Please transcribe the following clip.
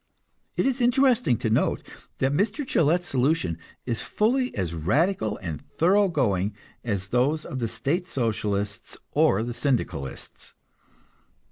It is interesting to note that Mr. Gillette's solution is fully as radical and thorough going as those of the State Socialists or the Syndicalists.